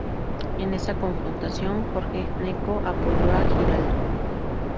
En esa confrontación, Jorge Gnecco apoyó a Giraldo.